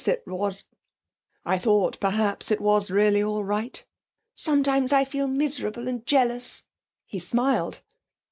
'I thought, perhaps, it was really all right.' 'Sometimes I feel miserable and jealous.' He smiled.